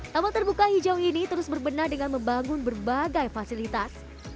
taman terbuka hijau ini terus berbenah dengan membangun berbagai fasilitas